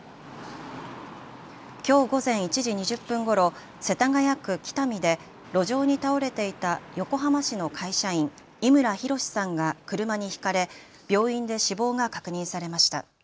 きょう午前１時２０分ごろ世田谷区喜多見で路上に倒れていた横浜市の会社員、伊村周さんが車にひかれ病院で死亡が確認されました。